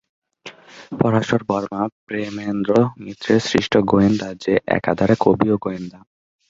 পরাশর বর্মা প্রেমেন্দ্র মিত্রের সৃষ্ট গোয়েন্দা যে একাধারে কবি ও গোয়েন্দা।